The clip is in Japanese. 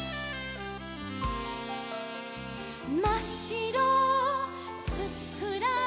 「まっしろふっくら」